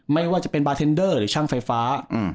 ไม่ว่าจะเป็นบาร์เทนเดอร์หรือช่างไฟฟ้า